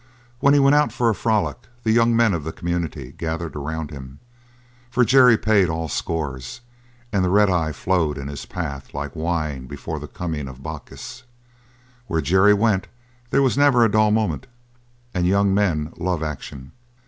When he went out for a frolic the young men of the community gathered around him, for Jerry paid all scores and the red eye flowed in his path like wine before the coming of Bacchus; where Jerry went there was never a dull moment, and young men love action.